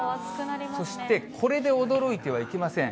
そしてこれで驚いてはいけません。